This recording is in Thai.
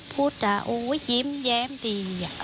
พูดจาโอ้ยยิ้มแย้มดี